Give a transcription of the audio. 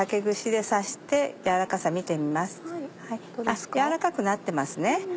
あっ軟らかくなってますね。